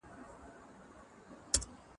لکه کونډي خدای ته ژاړي